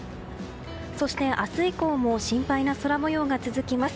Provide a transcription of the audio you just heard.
そして、明日以降も心配な空模様が続きます。